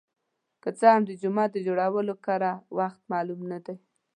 که څه هم د جومات د جوړولو کره وخت معلوم نه دی.